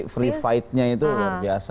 jadi free fight nya itu luar biasa